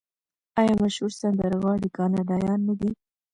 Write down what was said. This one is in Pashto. آیا مشهور سندرغاړي کاناډایان نه دي؟